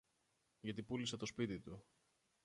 γιατί πούλησε το σπίτι του